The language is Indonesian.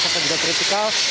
atau juga kritikal